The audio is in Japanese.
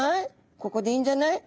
ここでいいんじゃない？